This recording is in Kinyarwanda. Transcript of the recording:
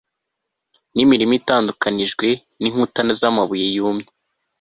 n'imirima itandukanijwe n'inkuta z'amabuye yumye